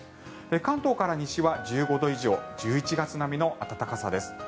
関東から西は１５度以上１１月並みの暖かさです。